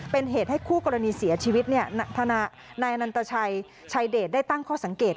เป็นเหตุให้คู่กรณีเสียชีวิตทนายนันตชัยชายเดชได้ตั้งข้อสังเกต